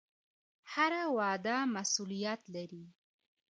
هره وعده مسوولیت لري